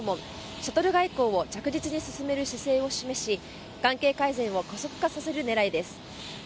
シャトル外交を着実に進める姿勢を示し関係改善を加速化させる狙いです。